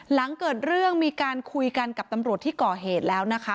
หลังเกิดเรื่องมีการคุยกันกับตำรวจที่ก่อเหตุแล้วนะคะ